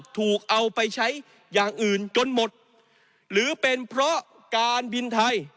ถูกเอาไปใช้อย่างอื่นจนหมดหรือเป็นเพราะการบินไทย